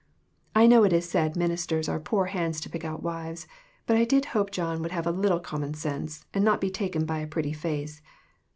I know it is said ministers are poor hands to pick out wives, but I did hope John would have a little common sense, and not be taken by a pretty face.